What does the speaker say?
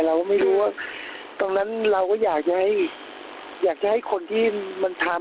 เราไม่รู้ว่าตรงนั้นเราก็อยากจะให้อยากจะให้คนที่มันทำ